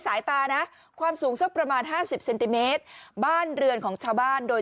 สายตานะความสูงสักประมาณห้าสิบเซนติเมตรบ้านเรือนของชาวบ้านโดย